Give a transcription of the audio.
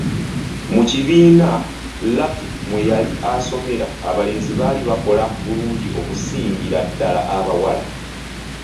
Mu kibiina Lucky mwe yali asomera, abalenzi baali bakola bulungi okusingira ddala abawala.